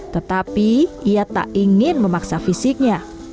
tetapi ia tak ingin memaksa fisiknya